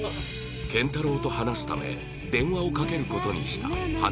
健太郎と話すため電話をかける事にした花